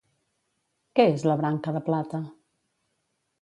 Què és la Branca de plata?